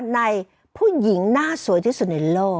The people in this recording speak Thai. ในผู้หญิงหน้าสวยที่สุดในโลก